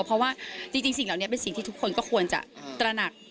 เพราะว่าจริงสิ่งเหล่านี้เป็นสิ่งที่ทุกคนก็ควรจะตระหนัก